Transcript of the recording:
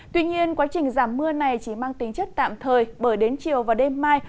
tuy nhiên quá trình giảm mưa này chỉ mang tính chất tạm thời bởi đến chiều và đêm mai